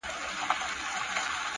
د سړک څراغونه د شپې لارې نرموي.!